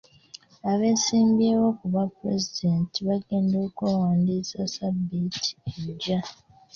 Abeesimbyewo ku bwapulezidenti bagenda okwewandiisa Ssabbiiti ejja.